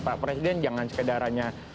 pak presiden jangan sekedaranya